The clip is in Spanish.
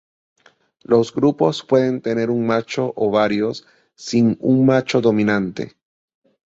Los grupos pueden tener un macho o varios, sin un macho dominante.